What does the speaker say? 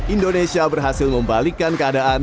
indonesia berhasil membalikkan keadaan